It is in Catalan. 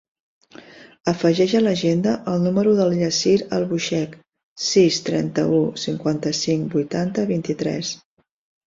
Afegeix a l'agenda el número del Yassir Albuixech: sis, trenta-u, cinquanta-cinc, vuitanta, vint-i-tres.